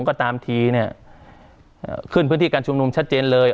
ก็ตามทีเนี่ยขึ้นพื้นที่การชุมนุมชัดเจนเลย